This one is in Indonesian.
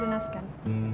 tungguan siapa kak